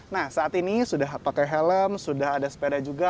nah saat ini sudah pakai helm sudah ada sepeda juga